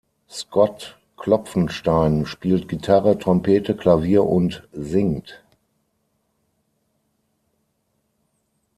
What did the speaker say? Scott Klopfenstein spielt Gitarre, Trompete, Klavier und singt.